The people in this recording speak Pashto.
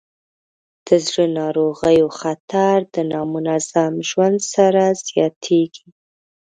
د زړه ناروغیو خطر د نامنظم ژوند سره زیاتېږي.